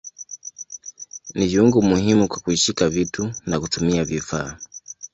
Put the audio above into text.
Ni viungo muhimu kwa kushika vitu na kutumia vifaa.